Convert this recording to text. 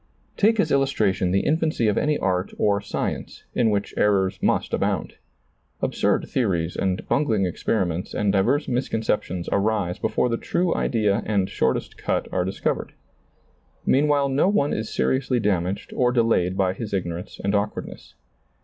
Take as illustration the infancy of any art or science, in which errors must abound. Absurd theories and bungling experiments and divers ^lailizccbvGoOgle 124 SEEING DARKLY misconceptions arise before the true idea and shortest cut are discovered. Meanwhile no one is seriously damaged or delayed by his ignorance and awkwardness.